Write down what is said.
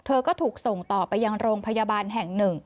เธอก็ถูกส่งต่อไปยังโรงพยาบาลแห่งหนึ่ง